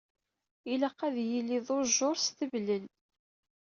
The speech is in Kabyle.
Ilaq ad yili d ujjuṛ s teblel.